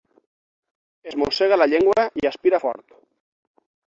Es mossega la llengua i aspira fort.